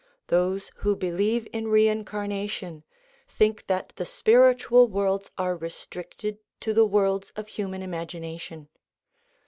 Those who believe in rein carnation think that the spiritual worlds are restricted to the worlds of human imagination.